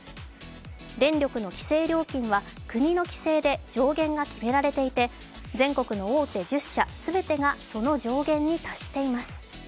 電力の規制料金は国の規制で上限が決められていて全国の大手１０社すべてがその上限に達しています。